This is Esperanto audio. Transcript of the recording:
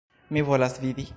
Mi volas vidi.